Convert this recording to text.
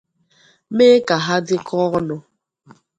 mee ka ha dịkọọ ọnụ